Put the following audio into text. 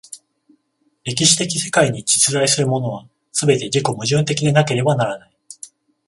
歴史的世界に実在するものは、すべて自己矛盾的でなければならない。